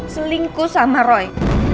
selingkuh sama roy